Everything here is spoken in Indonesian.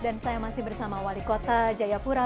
dan saya masih bersama wali kota jaipura